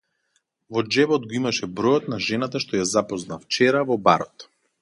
Во џебот го имаше бројот на жената што ја запозна вчера, во барот.